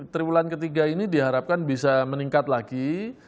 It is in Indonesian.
triwulan ketiga ini diharapkan bisa meningkat lagi